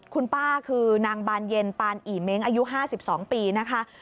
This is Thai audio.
คุณป้าคือนางบานเย็นปานอีเม้งอายุ๕๒ปีนะคะ